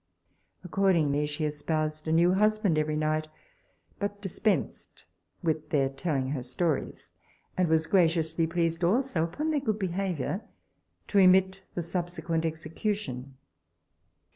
Accordingly she espoused a new husband every night, but dispensed with their telling her stories, and was graciously pleased also, upon their good behaviour, to remit the subsequent execution.